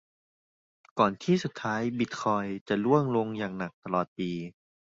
ก่อนที่สุดท้ายบิตคอยน์จะร่วงลงอย่างหนักตลอดปี